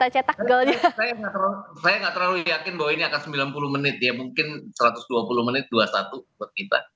saya nggak terlalu yakin bahwa ini akan sembilan puluh menit ya mungkin satu ratus dua puluh menit dua puluh satu buat kita